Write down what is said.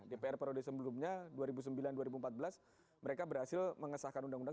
dpr periode sebelumnya dua ribu sembilan dua ribu empat belas mereka berhasil mengesahkan undang undang